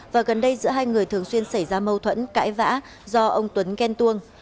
và gần đây giữa hai người thường xuyên xảy ra mâu thuẫn cãi vã do ông tuấn ghen tuông